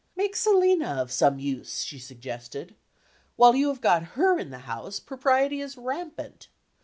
"Make Selina of some use," she suggested. "While you have got her in the house, Propriety is rampant.